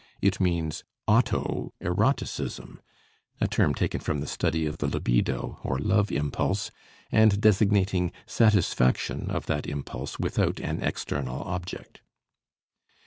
It means "auto eroticism," (a term taken from the study of the libido, or love impulse, and designating satisfaction of that impulse without an external object).